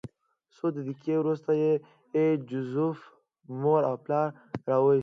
څو دقیقې وروسته یې د جوزف مور او پلار راوویستل